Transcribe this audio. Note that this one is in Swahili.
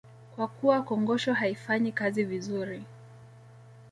Kwa kuwa kongosho haifanyi kazi vizuri